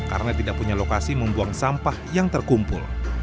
karena tidak punya lokasi membuang sampah yang terkumpul